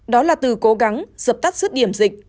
đó là từ cố gắng dập tắt suốt điểm dịch